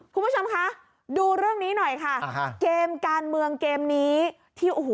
คุณผู้ชมคะดูเรื่องนี้หน่อยค่ะเกมการเมืองเกมนี้ที่โอ้โห